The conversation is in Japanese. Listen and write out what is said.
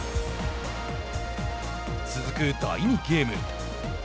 続く第２ゲーム。